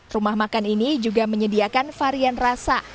rumah makan ini juga menyediakan varian rasa